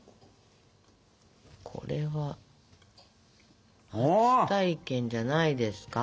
これは初体験じゃないですか？